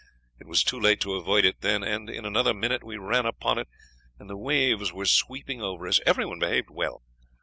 It was too late to avoid it then, and in another minute we ran upon it, and the waves were sweeping over us. Everyone behaved well.